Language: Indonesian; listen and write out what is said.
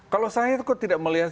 kalau saya kok tidak melihat